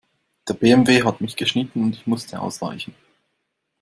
Der BMW hat mich geschnitten und ich musste ausweichen.